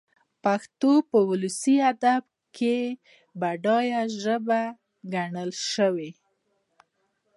پښتو په اولسي ادب کښي بډايه ژبه ګڼل سوې.